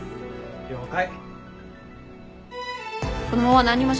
了解。